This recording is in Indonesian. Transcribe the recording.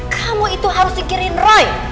kamu itu harus ikirin roy